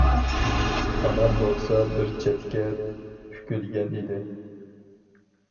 ئانام بولسا بىر چەتكە پۈكۈلگەن ئىدى.